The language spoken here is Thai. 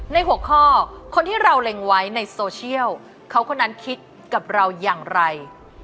หัวข้อคนที่เราเล็งไว้ในโซเชียลเขาคนนั้นคิดกับเราอย่างไร